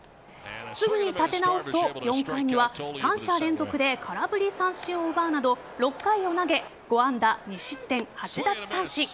すぐに立て直すと４回には３者連続で空振り三振を奪うなど６回を投げ５安打２失点８奪三振。